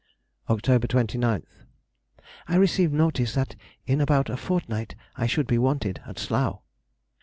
Oct. 29th.—I received notice that in about a fortnight I should be wanted at Slough.